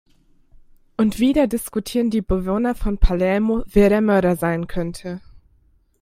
Und wieder diskutieren die Bewohner von Palermo, wer der Mörder sein könnte.